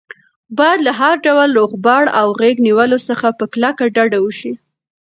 باید له هر ډول روغبړ او غېږ نیولو څخه په کلکه ډډه وشي.